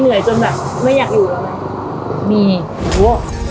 เนี่ยนี่โอ้โฮ